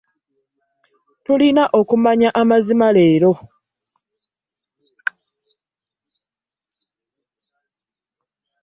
Tulina okumanya amazima leero.